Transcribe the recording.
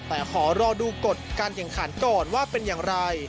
แต่ขอรอดูกฎการแข่งขันก่อนว่าเป็นอย่างไร